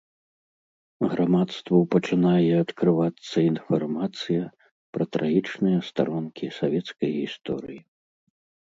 Грамадству пачынае адкрывацца інфармацыя пра трагічныя старонкі савецкай гісторыі.